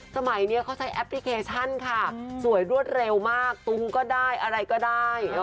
สมัยนี้เขาใช้แอปพลิเคชันค่ะสวยรวดเร็วมากตุ้งก็ได้อะไรก็ได้